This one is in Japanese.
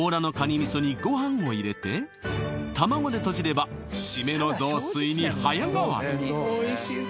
味噌にご飯を入れて卵でとじればシメの雑炊に早変わり！